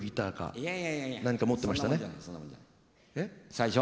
最初？